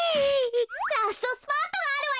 ラストスパートがあるわよ！